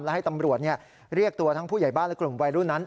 และให้ตำรวจเรียกตัวทั้งผู้ใหญ่บ้านและกลุ่มวัยรุ่นนั้น